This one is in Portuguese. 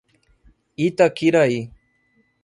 Itaquiraí